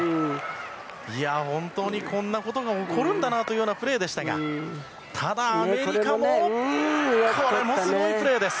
本当に、こんなことが起こるんだなというようなプレーでしたがただ、アメリカもこれもすごいプレーです。